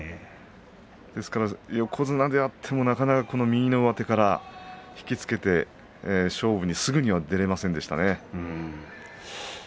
ですから横綱であってもなかなか右の上手から引き付けて勝負に、すぐには出られませんでしたね。